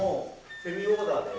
セミオーダーで。